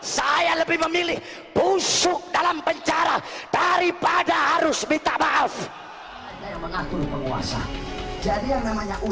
saya lebih memilih busuk dalam penjara daripada harus minta maaf